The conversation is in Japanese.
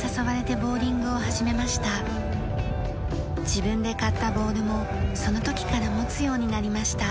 自分で買ったボールもその時から持つようになりました。